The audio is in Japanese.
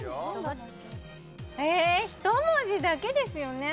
ええ１文字だけですよね？